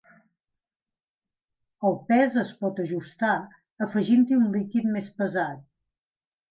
El pes es pot ajustar afegint-hi un líquid més pesat.